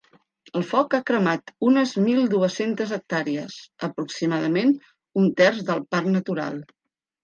El foc ha cremat unes mil dues-centes hectàrees, aproximadament un terç del parc natural.